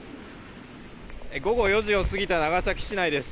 午後４時を過ぎた長崎市内です。